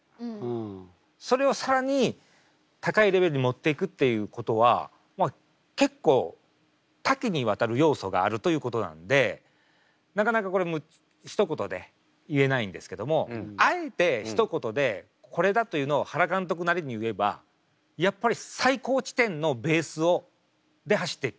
それを更に高いレベルにもっていくっていうことはまあ結構多岐にわたる要素があるということなんでなかなかこれひと言で言えないんですけどもあえてひと言でこれだというのを原監督なりに言えばやっぱり最高地点のベースで走っていく。